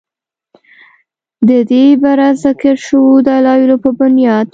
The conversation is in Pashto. ددې بره ذکر شوو دلايلو پۀ بنياد